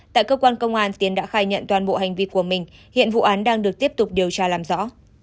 tại cơ quan công an tiến đã khai nhận toàn bộ hành vi của mình hiện vụ án đang được tiếp tục điều tra làm rõ